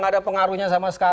gak ada pengaruhnya sama sekali